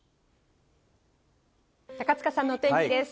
高塚さんの天気です。